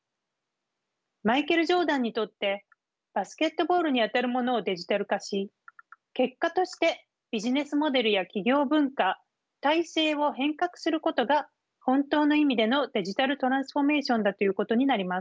マイケル・ジョーダンにとってバスケットボールにあたるものをデジタル化し結果としてビジネスモデルや企業文化体制を変革することが本当の意味でのデジタルトランスフォーメーションだということになります。